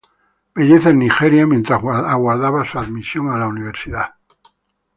Belleza en Nigeria mientras aguardaba su admisión a la universidad.